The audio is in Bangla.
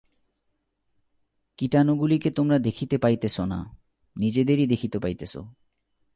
কীটাণুগুলিকে তোমরা দেখিতে পাইতেছ না, নিজেদেরই দেখিতে পাইতেছ।